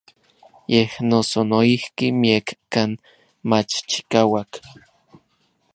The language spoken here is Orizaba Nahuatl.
Yej noso noijki miekkan mach chikauak.